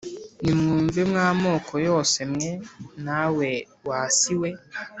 Nimwumve mwa moko yose mwe nawe wa si we